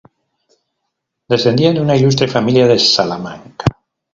Descendía de una ilustre familia de Salamanca.